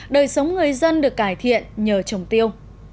đời sống người dân được cải thiện nhờ trồng tiêu